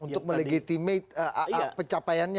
untuk melegitimate pencapaiannya